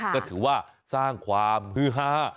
ก็ถือว่าสร้างความฮือฮา